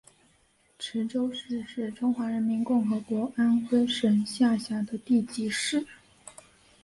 池州市是中华人民共和国安徽省下辖的地级市。